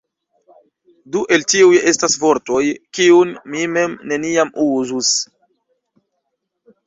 Du el tiuj estas vortoj, kiujn mi mem neniam uzus.